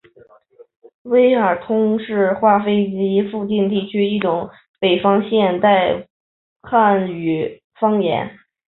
威海话是通行于山东省威海市及其附近地区的一种北方现代汉语方言。